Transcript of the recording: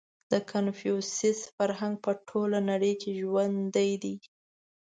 • د کنفوسیوس فرهنګ په ټوله نړۍ کې ژوندی دی.